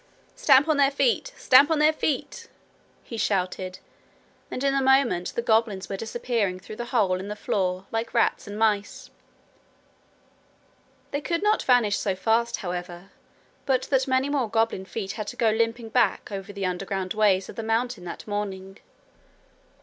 'Stamp on their feet; stamp on their feet!' he shouted, and in a moment the goblins were disappearing through the hole in the floor like rats and mice. They could not vanish so fast, however, but that many more goblin feet had to go limping back over the underground ways of the mountain that morning.